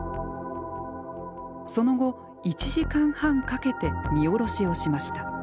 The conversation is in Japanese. その後１時間半かけて荷降ろしをしました。